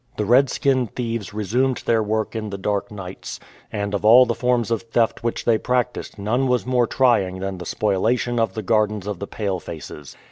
The redskin thieves re sumed their work in the dark nights ; and of all the forms of theft which they practised none was more trying than the spoliation of the gardens of the palefaces.